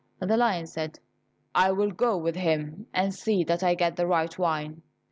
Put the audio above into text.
The lion said, "I will go with him, and see that I get the right wine."